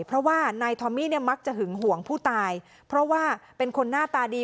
เพราะว่านายทอมมี่เนี่ยมักจะหึงห่วงผู้ตายเพราะว่าเป็นคนหน้าตาดี